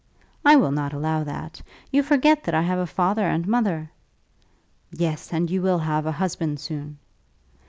"I will not allow that. You forget that I have a father and mother." "Yes; and you will have a husband soon."